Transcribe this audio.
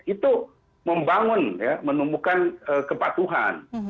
itu membangun menemukan kepatuhan